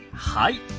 はい。